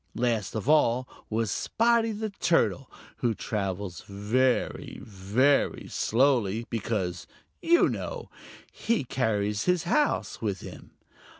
Last of all was Spotty the Turtle, who travels very, very slowly because, you know, he carries his house with him.